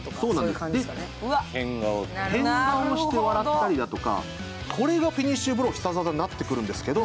変顔をして笑ったりとか、これがフィニッシュブロー、必殺技になるんですけど。